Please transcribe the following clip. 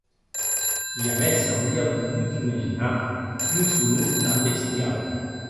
Jamès s’aurie pogut imaginar un furor tan bestiau.